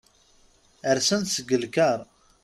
Rsen-d seg lkar.